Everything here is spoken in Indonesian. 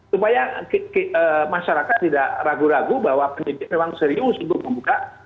supaya masyarakat tidak ragu ragu bahwa penyidik memang serius untuk membuka